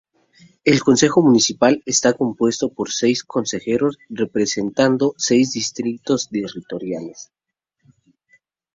El consejo municipal está compuesto por seis consejeros representando seis distritos territoriales.